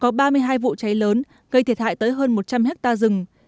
có ba mươi hai vụ cháy lớn gây thiệt hại tới hơn một trăm linh hectare rừng